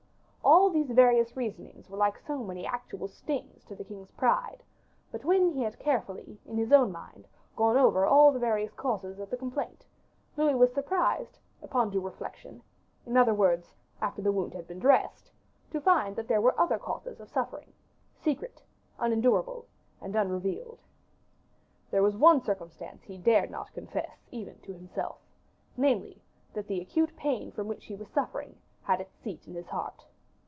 All these various reasonings were like so many actual stings to the king's pride; but when he had carefully, in his own mind, gone over all the various causes of complaint, Louis was surprised, upon due reflection in other words, after the wound has been dressed to find that there were other causes of suffering, secret, unendurable, and unrevealed. There was one circumstance he dared not confess, even to himself; namely, that the acute pain from which he was suffering had its seat in his heart.